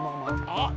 あっ！